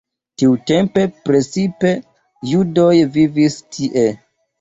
Tiutempe precipe judoj vivis tie.